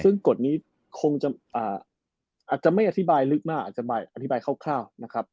ซึ่งกฎนี้อาจจะไม่อธิบายลึกมากอาจจะอธิบายคร่าว